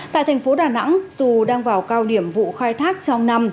tại thành phố đà nẵng dù đang vào cao điểm vụ khai thác trong năm